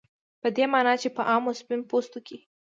په دې معنا چې په عامو سپین پوستو کې